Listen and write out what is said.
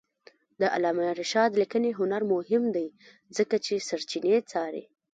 د علامه رشاد لیکنی هنر مهم دی ځکه چې سرچینې څاري.